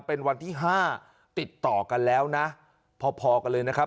เป็นวันที่๕ติดต่อกันแล้วนะพอกันเลยนะครับ